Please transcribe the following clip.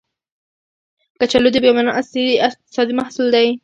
کچالو د بامیان اصلي اقتصادي محصول دی